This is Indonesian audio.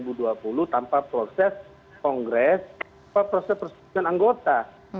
secara merubah adat dua ribu dua puluh tanpa proses kongres atau proses persisikan anggota